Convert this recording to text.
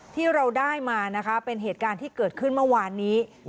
ที่เราได้มานะคะเป็นเหตุการณ์ที่เกิดขึ้นเมื่อวานนี้